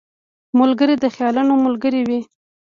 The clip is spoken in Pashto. ملګری د خیالونو ملګری وي